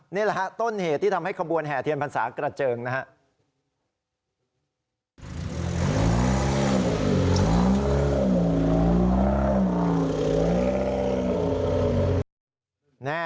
นี่แหละฮะต้นเหตุที่ทำให้ขบวนแห่เทียนพรรษากระเจิงนะฮะ